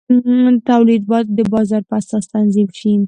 تولید باید د بازار په اساس تنظیم شي.